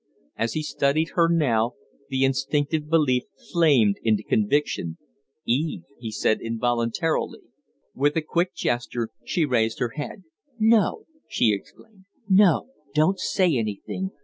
As he studied her now, the instinctive belief flamed into conviction. "Eve!" he said involuntarily. With a quick gesture she raised her head. "No!" she exclaimed. "No; don't say anything!